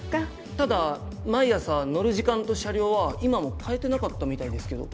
ただ毎朝乗る時間と車両は今も変えてなかったみたいですけど。